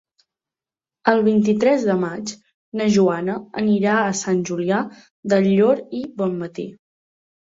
El vint-i-tres de maig na Joana anirà a Sant Julià del Llor i Bonmatí.